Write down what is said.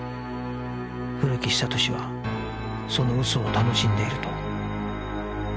古木久俊はその嘘を楽しんでいると